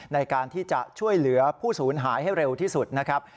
ในการที่จะช่วยเหลือผู้สูญหายให้เร็วที่สุดนะครับ